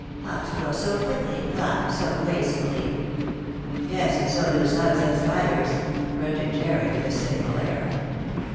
Hops grow so quickly, and climb so gracefully." " Yes, and so do slugs and spiders," grunted Jarred with a cynical air.